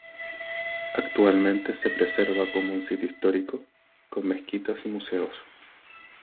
Actualmente se preserva como un sitio histórico, con mezquitas y museos.